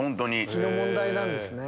気の問題なんですね。